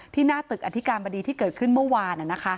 หน้าตึกอธิการบดีที่เกิดขึ้นเมื่อวาน